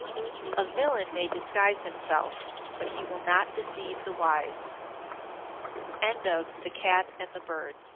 A villain may disguise himself, but he will not deceive the wise. THE SPENDTHRIFT AND THE S